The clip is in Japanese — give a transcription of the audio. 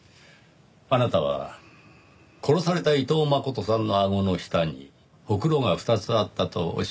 あなたは殺された伊藤真琴さんのあごの下にほくろが２つあったとおっしゃいましたね。